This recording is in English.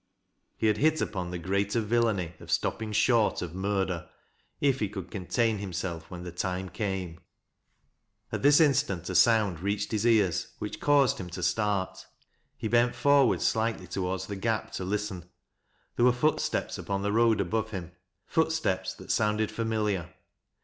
He had hit upon the greater villainy of stoppmg short of murder, if he could contain himself when the time f,ame. A.t this irstant a sound reached his ea s which caused 198 TMAT LASa a LOWBlJiPB. him to start. He bent forward slightly toward the gap t< listen. Theie were footsteps upon the road above him — footsteps that soui.ied familiar.